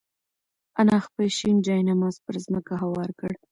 انا خپل شین جاینماز پر ځمکه هوار کړ.